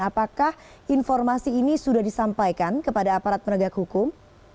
apakah informasi ini sudah disampaikan kepada aparat penegak hukum